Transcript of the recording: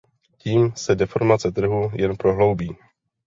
Tím se deformace trhu jen prohloubí.